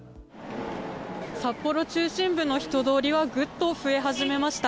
札幌中心部の人通りはグッと増え始めました。